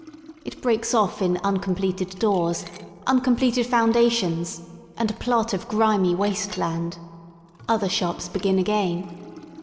It breaks off in uncompleted doors, uncompleted foundations, and a 54 ROADS INTO LONDON plot of grimy waste land. Other shops begin again.